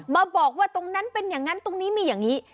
มาบอกว่าตรงนั้นเป็นอย่างนั้นตรงนี้มีอย่างนี้